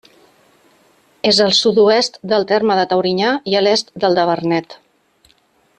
És al sud-oest del terme de Taurinyà i a l'est del de Vernet.